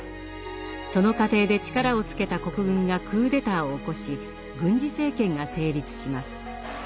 その過程で力をつけた国軍がクーデターを起こし軍事政権が成立します。